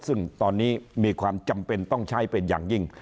ซึ่งตอนนี้มีความจำเป็นต้องใช้เป็นอย่างยิ่ง